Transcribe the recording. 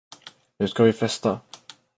Nu ska vi festa!